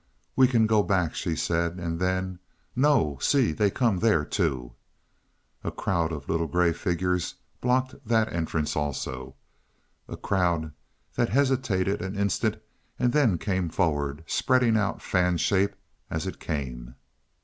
"We can go back," she said. And then. "No see, they come there, too." A crowd of the little gray figures blocked that entrance also a crowd that hesitated an instant and then came forward, spreading out fan shape as it came.